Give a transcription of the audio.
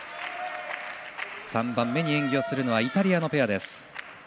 ３番目に演技をするのはイタリアのペアです。